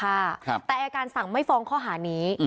แต่อายการสั่งไม่ฟ้องข้อหานี้